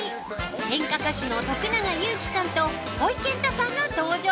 演歌歌手の徳永ゆうきさんとほいけんたさんが登場。